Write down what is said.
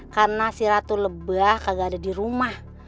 karena si ratu lebah kagak ada dirumah